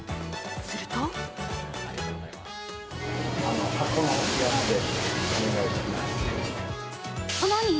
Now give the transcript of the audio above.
すると何？